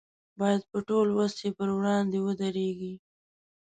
باید په ټول وس یې پر وړاندې ودرېږي.